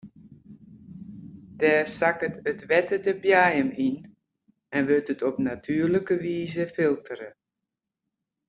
Dêr sakket it wetter de boaiem yn en wurdt it op natuerlike wize filtere.